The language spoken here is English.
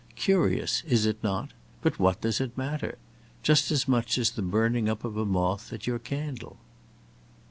Curious, is it not; but what does it matter? Just as much as the burning up of a moth at your candle."